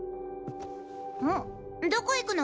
どこ行くの？